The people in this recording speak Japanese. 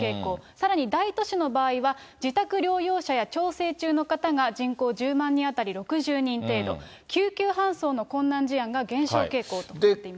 さらに大都市の場合は、自宅療養者や調整中の方が人口１０万人当たり６０人程度、救急搬送の困難事案が減少傾向となっています。